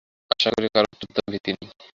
আশা করি কারো উচ্চতা ভীতি নেই।